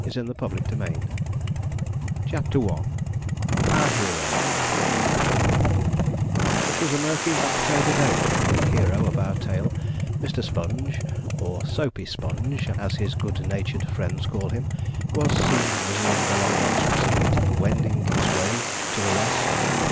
November 1852 CHAPTER I OUR HERO It was a murky October day that the hero of our tale, Mr. Sponge, or Soapey Sponge, as his good natured friends call him, was seen mizzling along Oxford Street, wending his way to the West.